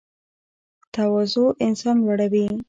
تواضع انسان لوړوي